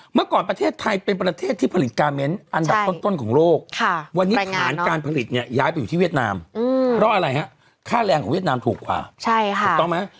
เมื่อก่อนประเทศไทยเป็นประเทศที่ผลิตกาเมนต์อันดับต้นของโลกวันนี้ฐานการผลิตเนี่ยย้ายไปอยู่ที่เวียดนามเพราะอะไรฮะค่าแรงของเวียดนามถูกกว่าถูกต้องไหม